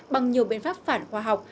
bằng nhiều biện pháp phản khoa học